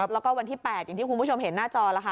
แล้วก็วันที่๘อย่างที่คุณผู้ชมเห็นหน้าจอละค่ะ